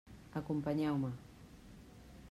Acompanyeu-me.